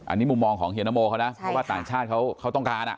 อันนี้มุมมองของเฮียนโมเขานะเพราะว่าต่างชาติเขาต้องการ